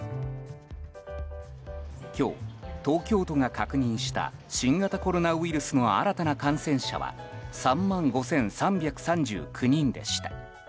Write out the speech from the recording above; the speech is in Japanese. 今日、東京都が確認した新型コロナウイルスの新たな感染者は３万５３３９人でした。